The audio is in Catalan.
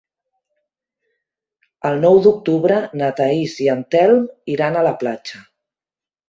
El nou d'octubre na Thaís i en Telm iran a la platja.